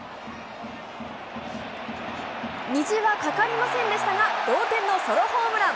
虹は架かりませんでしたが、同点のソロホームラン。